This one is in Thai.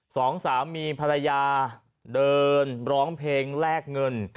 สองสามีภรรยาเดินร้องเพลงแลกเงิน